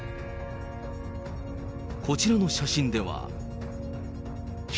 こちらの写真では。